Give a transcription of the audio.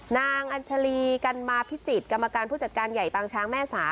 อัญชาลีกันมาพิจิตรกรรมการผู้จัดการใหญ่ปางช้างแม่สา